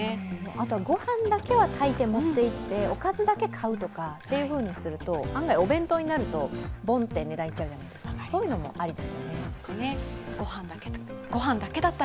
あとはご飯だけは炊いて持っていっておかずだけ買うとかというふうにすると、お弁当になるとボンって値段いっちゃうじゃないですか、そういうのもありですね。